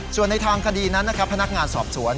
ส่วนในทางคดีนั้นนะครับพนักงานสอบสวน